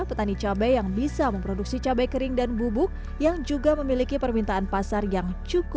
petani cabai yang bisa memproduksi cabai kering dan bubuk yang juga memiliki permintaan pasar yang cukup